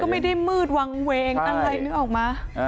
ไม่ได้มืดวางเวงอะไรนึกออกมา